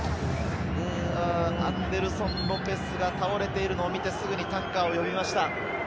アンデルソン・ロペスが倒れているのを見て、すぐに担架を呼びました。